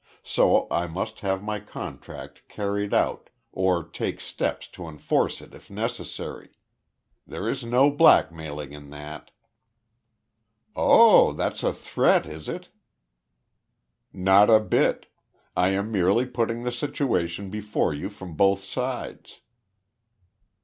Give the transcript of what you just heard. So I must have my contract carried out, or take steps to enforce it if necessary. There is no blackmailing in that." "Oh, that's a threat, is it?" "Not a bit. I am merely putting the situation before you from both sides."